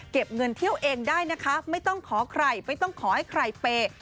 เงินเที่ยวเองได้นะคะไม่ต้องขอใครไม่ต้องขอให้ใครเปย์